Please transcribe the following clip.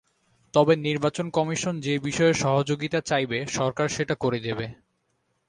তবে নির্বাচন কমিশন যে বিষয়ে সহযোগিতা চাইবে, সরকার সেটা করে দেবে।